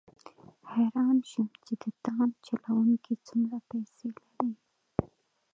حیران شوم چې د تاند چلوونکي څومره پیسې لري.